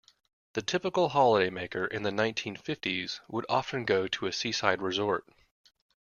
The typical holidaymaker in the nineteen-fifties would often go to a seaside resort